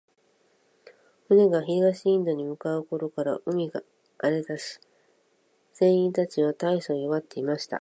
船が東インドに向う頃から、海が荒れだし、船員たちは大そう弱っていました。